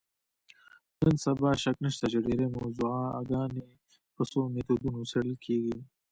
نن سبا شک نشته چې ډېری موضوعګانې په څو میتودونو څېړل کېږي.